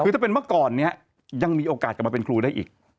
คือถ้าเป็นเมื่อก่อนเนี่ยยังมีโอกาสกลับมาเป็นครูได้อีก